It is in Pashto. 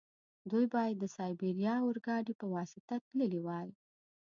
دوی باید د سایبیریا اورګاډي په واسطه تللي وای.